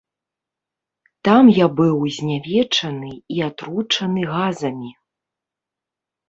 Там я быў знявечаны і атручаны газамі.